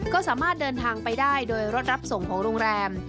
ก็สามารถเดินทางไปได้โดยรถรับส่งของโรงแรม